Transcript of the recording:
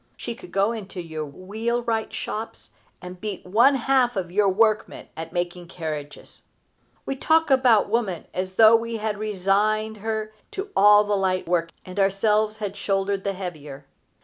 She could go into your wheelwright shops and beat one half of your workmen at making carriages. We talk about woman as though we had resigned to her all the light work, and ourselves had shouldered the heavier.